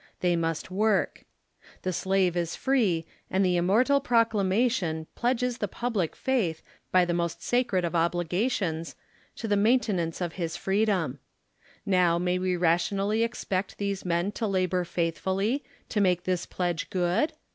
They must work. The slave is free ; and the immortal proclamation pledges the public faith, by the most sacred of obligations, to the mainte nance of his freedom. J^ow may we rationally expect these men to labor faithfully, to make this pledge good?